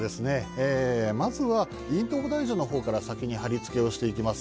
まずはインドボダイジュから先に貼り付けをしていきます。